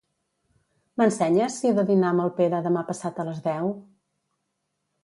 M'ensenyes si he de dinar amb el Pere demà passat a les deu?